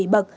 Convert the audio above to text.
từ bảy bậc